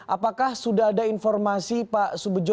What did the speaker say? apakah sudah ada informasi pak subedjo